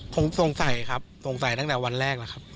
คงสงสัยครับสงสัยตั้งแต่วันแรกแล้วครับ